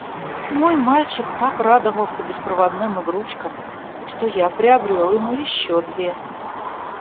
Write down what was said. Мой мальчик так радовался беспроводным игрушкам, что я приобрёл ему ещё две.